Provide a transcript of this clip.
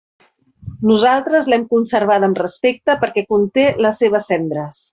Nosaltres l'hem conservada amb respecte, perquè conté les seves cendres.